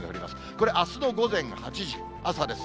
これあすの午前８時、朝です。